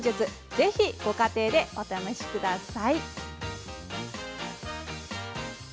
ぜひご家庭でもお試しください。